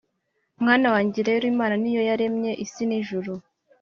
Mwana wanjye rero imana ni yo yaremye isi n’ijuru